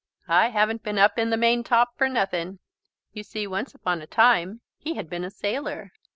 "I haven't been up in the maintop for nothing." You see, once upon a time, he had been a sailor.